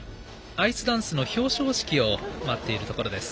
アイスダンスの表彰式を待っているところです。